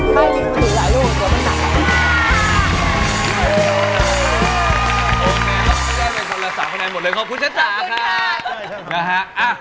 คุณได้เป็นคนละ๓คะแนนหมดเลยขอบคุณจ๊ะจ๊ะค่ะ